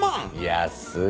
安い。